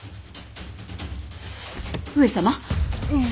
上様。